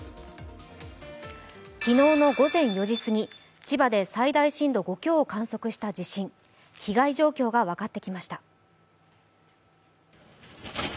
昨日の午前４時すぎ千葉で最大震度５強を観測した地震被害状況が分かってきました。